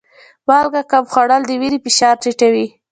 مالګه کم خوړل د وینې فشار ټیټوي.